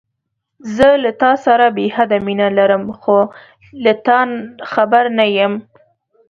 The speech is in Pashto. زه له تاسره بې حده مينه لرم، خو له تا خبر نه يم.